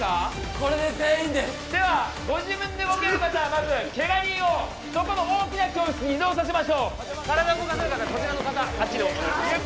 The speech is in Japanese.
これで全員ですではご自分で動ける方はまずけが人をそこの大きな教室に移動させましょう体動かせる方こちらの方あっちでお願いします